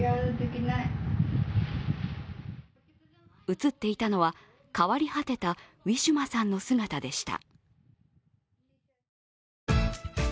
映っていたのは、変わり果てたウィシュマさんの姿でした。